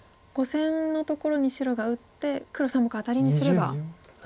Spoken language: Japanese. ５線のところに白が打って黒３目アタリにすれば。